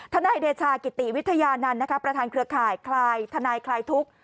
นายเดชากิติวิทยานันต์ประธานเครือข่ายคลายทนายคลายทุกข์